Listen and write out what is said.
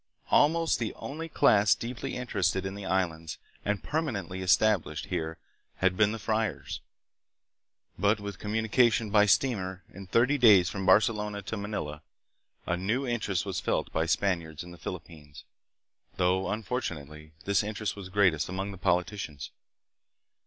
Almost the only class deeply interested in the Islands and permanently established here had been the friars. But with communication by steamer in thirty days from Barcelona to Manila, a new interest was felt by Spaniards in the Philippines, though unfortunately this interest was greatest among the politicians.